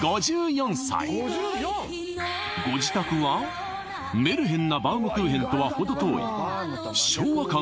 ５４歳ご自宅はメルヘンなバウムクーヘンとは程遠い昭和感